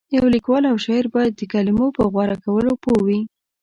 یو لیکوال او شاعر باید د کلمو په غوره کولو پوه وي.